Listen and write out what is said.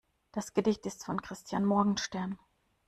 Das Gedicht ist von Christian Morgenstern.